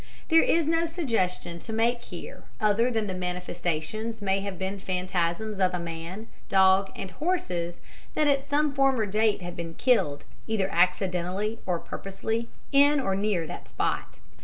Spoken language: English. There is no suggestion to make here other than the manifestations may have been the phantasms of a man, dog, and horses that at some former date had been killed, either accidentally or purposely, in or near that spot.